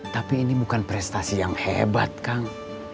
tapi ini bukan prestasi yang hebat kang